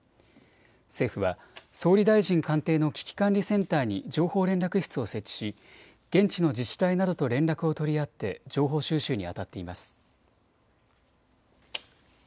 政府は総理大臣官邸の危機管理センターに情報連絡室を設置し現地の自治体などと連絡を取り合って情報収集にあたっています。